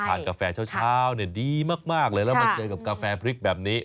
กาแฟเช้าดีมากเลยแล้วมาเจอกับกาแฟพริกแบบนี้